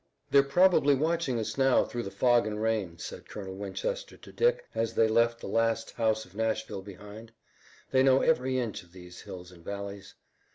"They're probably watching us now through the fog and rain," said Colonel Winchester to Dick as they left the last house of Nashville behind. "They know every inch of these hills and valleys."